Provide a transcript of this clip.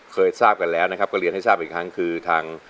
เคยทราบกันแล้วนะครับก็เรียนให้ทราบอีกครั้ง